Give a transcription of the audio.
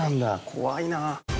怖いな。